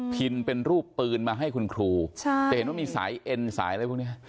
นเป็นรูปปืนมาให้คุณครูใช่จะเห็นว่ามีสายเอ็นสายอะไรพวกเนี้ย